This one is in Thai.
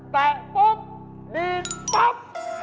แต่ปุ๊บดีดป๊อบ